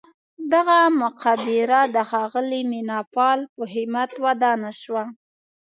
دغه مقبره د ښاغلي مینه پال په همت ودانه شوه.